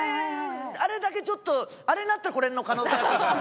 あれだけちょっとあれになったらこれの可能性あるかも。